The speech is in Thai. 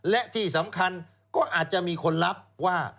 และที่สำคัญก็อาจจะมีคนรับว่า